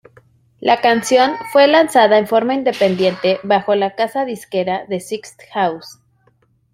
La canción fue lanzada en forma independiente, bajo la casa disquera "The Sixth House".